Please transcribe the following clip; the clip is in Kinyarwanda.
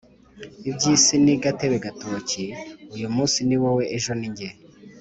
Ibyisi ni gatebe gatoki uyumumnsi niwowe ejo ninjye